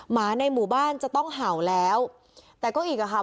หมาในหมู่บ้านจะต้องเห่าแล้วแต่ก็อีกอ่ะค่ะ